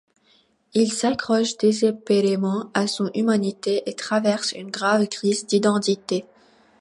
Il s'accroche désespérément à son humanité et traverse une grave crise d'identité.